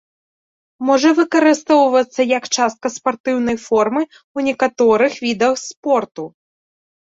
Можа выкарыстоўвацца як частка спартыўнай формы ў некаторых відах спорту.